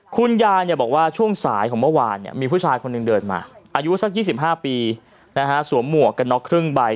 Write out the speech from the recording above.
คุณยายบอกว่าช่วงสายของเมื่อวานมีผู้ชายคนหนึ่งเดินมาอายุสัก๒๕ปีสวมหมวกกันน็อกครึ่งใบ